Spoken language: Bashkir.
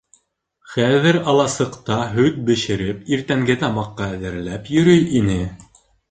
Хәҙер аласыҡта һөт бешереп, иртәнге тамаҡҡа әҙерләп йөрөй ине.